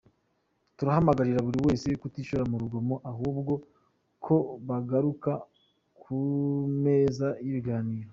Turahamagarira buri wese kutishora mu rugomo ahubwo ko bagaruka ku meza y’ibiganiro.